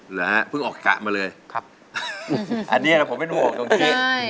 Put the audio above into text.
เหรอฮะเพิ่งออกกะมาเลยครับอันนี้ผมเป็นห่วงตรงนี้